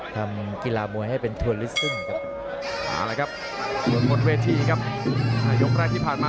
ทำกีฬามวยให้เป็นตัวลึกซึ้งครับ